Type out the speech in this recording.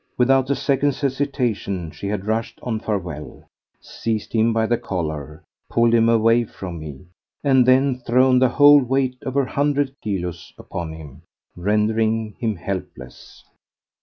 Without a second's hesitation she had rushed on Farewell, seized him by the collar, pulled him away from me, and then thrown the whole weight of her hundred kilos upon him, rendering him helpless.